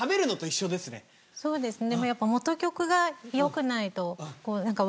そうですね。